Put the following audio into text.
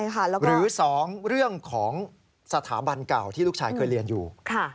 หรือ๒เรื่องของสถาบันเก่าที่ลูกชายเคยเรียนอยู่